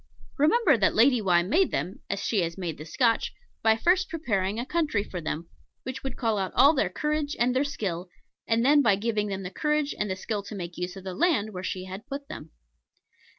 Remember that Lady Why made them, as she has made the Scotch, by first preparing a country for them, which would call out all their courage and their skill; and then by giving them the courage and the skill to make use of the land where she had put them.